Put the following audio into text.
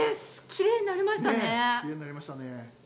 キレイになりましたね！